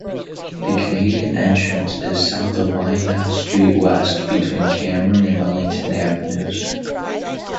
The Canadian entrance is south of Wyandotte Street West between Cameron and Wellington Avenues.